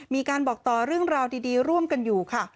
มีการบอกต่อเรื่องราวดีร่วมกันอยู่ค่ะ